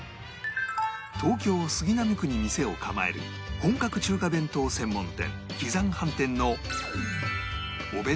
東京杉並区に店を構える本格中華弁当専門店